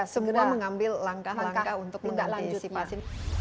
semua mengambil langkah langkah untuk mengantisipasi